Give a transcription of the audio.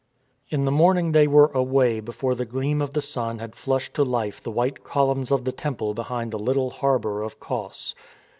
In the morning they were away before the gleam of the sun had flushed to life the white columns of the temple behind the little harbour of Cos.